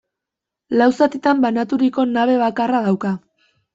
Lau zatitan banaturiko nabe bakarra dauka.